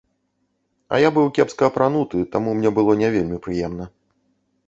А я быў кепска апрануты, таму мне было не вельмі прыемна.